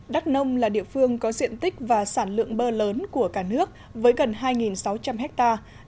đắk nông là địa phương có diện tích và sản lượng bơ lớn của cả nước với gần hai sáu trăm linh hectare